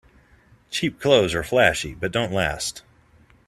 Cheap clothes are flashy but don't last.